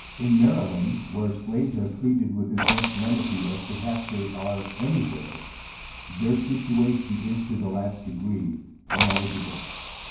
In Maryland where slaves are treated with as much lenity, as perhaps they are any where, their situation is to the last degree ineligible.